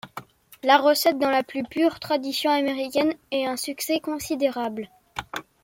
La recette, dans la plus pure tradition américaine, est un succès considérable.